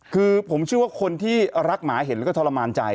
คือผมเชื่อว่าคนที่รักหมาเห็นแล้วก็ทรมานใจ